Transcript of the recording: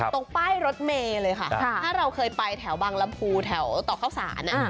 ตรงป้ายรถเมย์เลยค่ะถ้าเราเคยไปแถวบางลำพูแถวต่อเข้าสาร